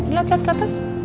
gila cat ke atas